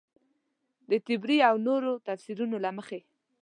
د طبري او نورو تفیسیرونو له مخې.